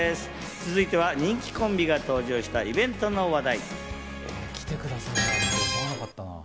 続いては人気コンビが登場したイベントの話題。